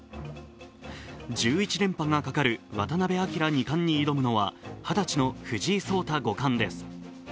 １１連覇がかかる渡辺明二冠に挑むのは２０歳の藤井聡太五冠です。